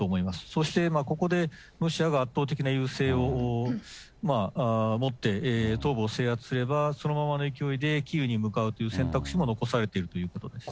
そして、ここでロシアが圧倒的な優勢をもって、東部を制圧すれば、そのままの勢いで、キーウに向かうという選択肢も残されているということです。